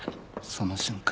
その瞬間